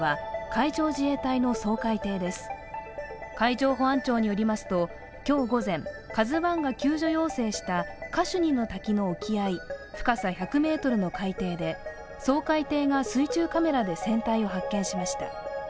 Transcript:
海上保安庁によりますと今日午前、「ＫＡＺＵⅠ」が救助要請したカシュニの滝の沖合深さ１００ｍの海底で掃海艇が水中カメラで船体を発見しました。